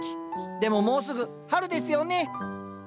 でももうすぐ春ですよね！